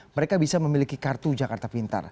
mereka bisa memiliki kartu jakarta pintar